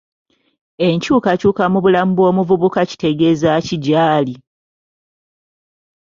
Enkyukakyuka mu bulamu bw'omuvubuka kitegeza ki gy'ali?